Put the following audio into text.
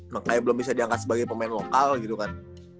makanya belum bisa diangkat sebagai pemain lokal gitu kan